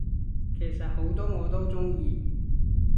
其實好多我都鍾意